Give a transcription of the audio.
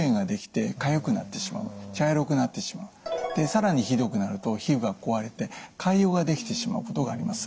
更にひどくなると皮膚が壊れて潰瘍が出来てしまうことがあります。